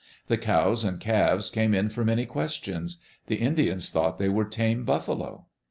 The cows and calves came in for many questions; the Indians thought they were tame buffalo.